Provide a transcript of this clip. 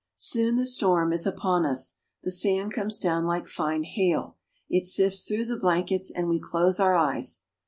Soon the storm is upon us. The sand comes down like fine hail. It sifts through the blankets, and we close our eyes.